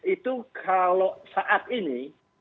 itu kalau saat ini